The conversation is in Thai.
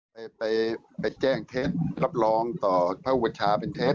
ไปไปแจ้งเท็จรับรองต่อพระอุปชาเป็นเท็จ